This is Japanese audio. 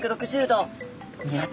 ３６０度！